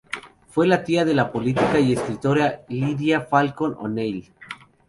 Fue la tía de la política y escritora Lidia Falcón O'Neill.